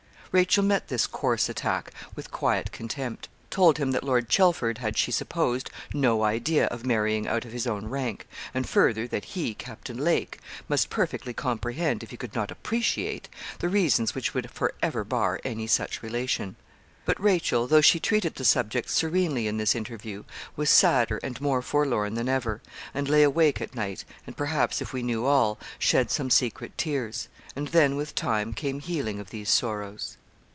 Rachel met this coarse attack with quiet contempt; told him that Lord Chelford had, she supposed, no idea of marrying out of his own rank; and further, that he, Captain Lake, must perfectly comprehend, if he could not appreciate, the reasons which would for ever bar any such relation. But Rachel, though she treated the subject serenely in this interview, was sadder and more forlorn than ever, and lay awake at night, and, perhaps, if we knew all, shed some secret tears; and then with time came healing of these sorrows.